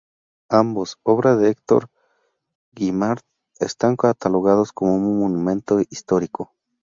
Ambos, obra de Hector Guimard, están catalogados como monumento histórico.